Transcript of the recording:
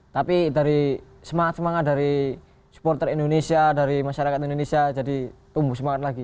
tapi dari semangat semangat dari supporter indonesia dari masyarakat indonesia jadi tumbuh semangat lagi